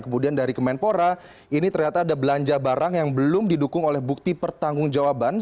kemudian dari kemenpora ini ternyata ada belanja barang yang belum didukung oleh bukti pertanggung jawaban